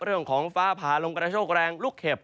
เรื่องของฟ้าผ่าลมกระโชคแรงลูกเห็บ